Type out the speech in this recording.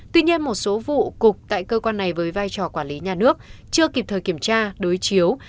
tuy nhiên một số vụ cục tại cơ quan này với vai trò quản lý nhà nước chưa kịp thời kiểm tra đối chiếu